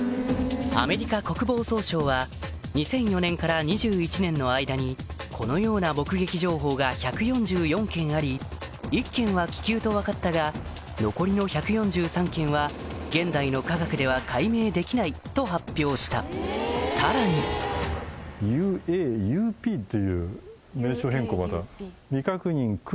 アメリカ国防総省は２００４年から２１年の間にこのような目撃情報が１４４件あり１件は気球と分かったが残りの１４３件は現代の科学では解明できないと発表したさらにになった。